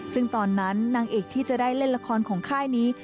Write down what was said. ซึ่งตอนนั้นนางเอกที่จะได้เล่นละครของค่ายนี้